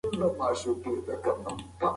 ریټینا د رڼا اطلاعات عصبي سېګنال ته اړوي.